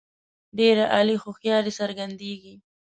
ډېره عالي هوښیاري څرګندیږي.